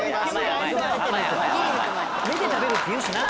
目で食べるって言うしな。